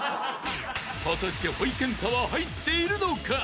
［果たしてほいけんたは入っているのか？］